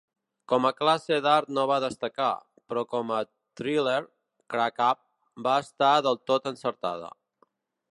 Com a classe d'art no va destacar, però com a thriller, 'Crack-Up' va estar del tot encertada.